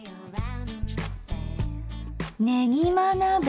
「ねぎま鍋」。